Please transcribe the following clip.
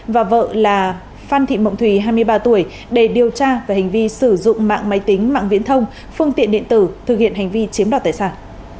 và vợ là phan thị mộng thủy hai mươi ba tuổi để điều tra về hành vi sử dụng mạng máy tính mạng viễn thông phương tiện điện tử thực hiện hành vi chiếm đoạt tài sản